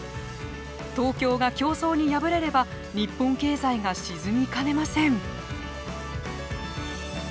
東京が競争に敗れれば日本経済が沈みかねません。